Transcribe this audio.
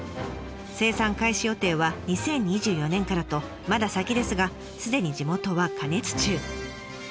生産開始予定は２０２４年からとまだ先ですがすでに地元は過熱中。